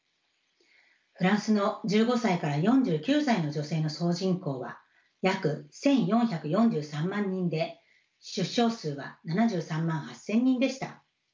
フランスの１５歳から４９歳の女性の総人口は約１，４４３万人で出生数は７３万８，０００人でした。